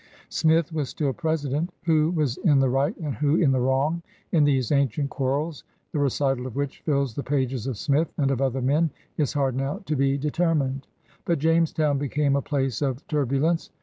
Smith was still President. Yfho was in the right and who in the wrong in these ancient quarrels, the recital of which fills the pages of Smith and of other men, is hard now to be de termined. But Jamestown became a place of tur bulence.